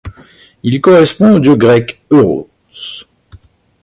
Il correspond au dieu grec Euros.